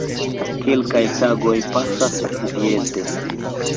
Kelkaj tagoj pasas kviete.